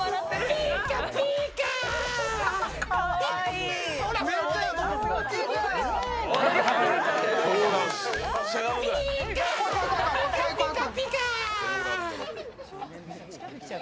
ピカピカピカ！